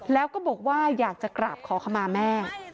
แล้วก็บอกว่าอยากจะกราบขอขมาแม่